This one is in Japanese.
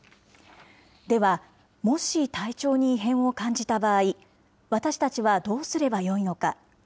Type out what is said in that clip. では、もし体調に異変を感じた場合、私たちはどうすればよいのか。